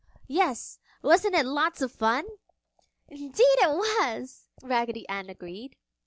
"Yes! Wasn't it lots of fun?" "Indeed it was!" Raggedy Ann agreed.